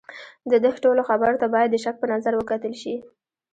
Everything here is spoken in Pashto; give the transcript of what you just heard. د ده ټولو خبرو ته باید د شک په نظر وکتل شي.